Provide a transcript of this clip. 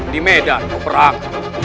di medan perang